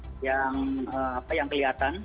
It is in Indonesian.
jadi yang apa yang kelihatan